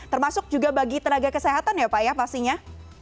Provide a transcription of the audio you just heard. termasuk juga bagi tenaga kesehatan ya pak ya pastinya